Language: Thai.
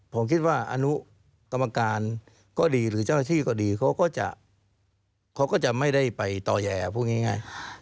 ผมคิดว่าอนุกรรมการก็ดีหรือเจ้าหน้าที่ก็ดีเขาก็จะเขาก็จะไม่ได้ไปต่อแย่พูดง่าย